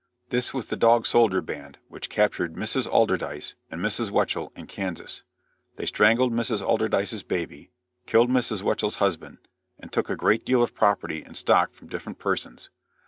This was the Dog Soldier band which captured Mrs. Alderdice and Mrs. Weichel in Kansas. They strangled Mrs. Alderdice's baby, killed Mrs. Weichel's husband, and took a great deal of property and stock from different persons.